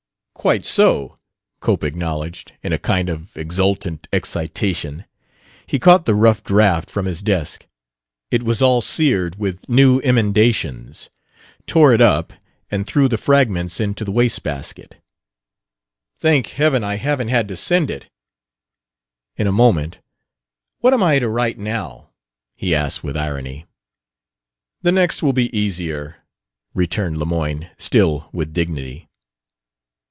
"Quite so," Cope acknowledged, in a kind of exultant excitation. He caught the rough draft from his desk it was all seared with new emendations tore it up, and threw the fragments into the waste basket. "Thank Heaven, I haven't had to send it!" In a moment, "What am I to write now?" he asked with irony. "The next will be easier," returned Lemoyne, still with dignity.